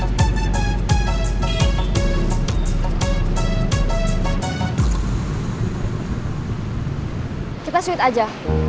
yang menang bagian mengamati situasi